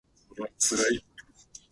明日は映画を観に行く予定だ。